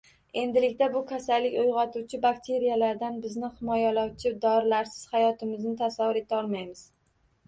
Endilikda bu — kasallik uyg‘otuvchi bakteriyalardan bizni himoyalovchi dorilarsiz hayotimizni tasavvur etolmaymiz.